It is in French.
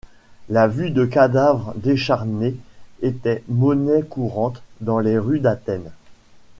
La vue de cadavres décharnés était monnaie courante dans les rues d’Athènes.